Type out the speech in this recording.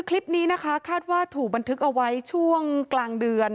คลิปนี้นะคะคาดว่าถูกบันทึกเอาไว้ช่วงกลางเดือน